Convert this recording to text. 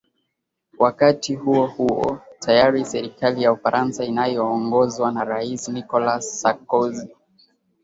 wakati huo huo tayari serikali ya ufaransa inayoongozwa na rais nicholas sarkozy